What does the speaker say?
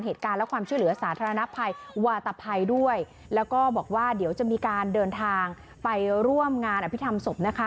เหตุการณ์และความช่วยเหลือสาธารณภัยวาตภัยด้วยแล้วก็บอกว่าเดี๋ยวจะมีการเดินทางไปร่วมงานอภิษฐรรมศพนะคะ